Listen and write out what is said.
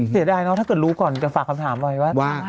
เสียดายเนอะถ้าเกิดรู้ก่อนจะฝากคำถามไว้ว่า